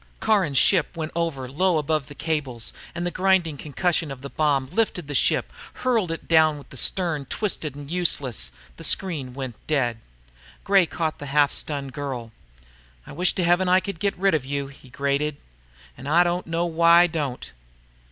Caron's ship swept over, low above the cables, and the grinding concussion of a bomb lifted the ship, hurled it down with the stern end twisted to uselessness. The screen went dead. Gray caught the half stunned girl. "I wish to heaven I could get rid of you!" he grated. "And I don't know why I don't!"